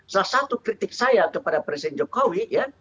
salah satu kritik saya kepada presiden jokowi ya